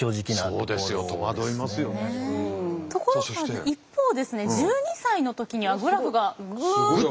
ところが一方ですね１２歳の時にはグラフがグッと。